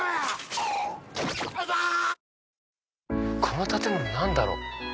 この建物何だろう？